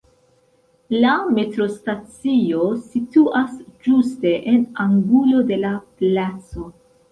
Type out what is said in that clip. La metrostacio situas ĝuste en angulo de la placo.